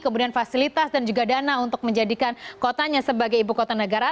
kemudian fasilitas dan juga dana untuk menjadikan kotanya sebagai ibu kota negara